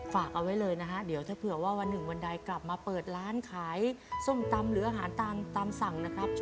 ฝากเอาไว้เลยนะฮะเดี๋ยวถ้าเผื่อว่าวันหนึ่งวันใดกลับมาเปิดร้านขายส้มตำหรืออาหารตามสั่งนะครับ